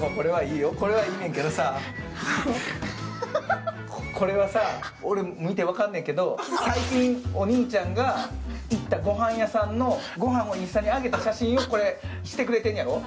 これはええねんけどさ、これは俺、見ても分かんないけど、最近、お兄ちゃんが行ったご飯屋さんのご飯をインスタに挙げた写真をしてくれてんのやろ？